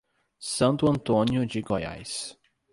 Santo Antônio de Goiás